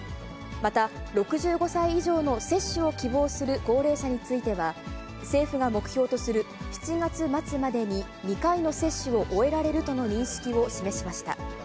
また６５歳以上の接種を希望する高齢者については、政府が目標とする７月末までに２回の接種を終えられるとの認識を示しました。